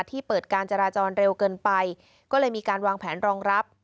ที่เปิดการจราจรเร็วเกินไปก็เลยมีการวางแผนรองรับ